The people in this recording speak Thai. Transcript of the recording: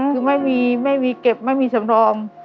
คือไม่มีเก็บไม่มีสำรอง